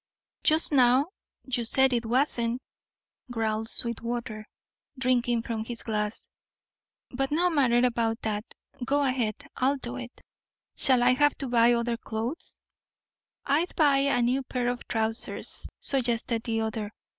"Just now you said it wasn't," growled Sweetwater, drinking from his glass. "But no matter about that, go ahead, I'll do it. Shall I have to buy other clothes?" "I'd buy a new pair of trousers," suggested the other.